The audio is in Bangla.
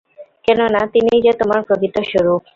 কেননা তিনিই যে তোমার প্রকৃত স্বরূপ।